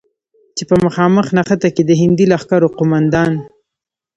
چې په مخامخ نښته کې د هندي لښکرو قوماندان،